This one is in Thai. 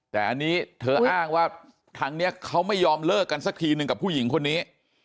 แต่อันนี้เธออ้างว่าทางนี้เขาไม่ยอมเลิกกันสักทีหนึ่งกับผู้หญิงคนนี้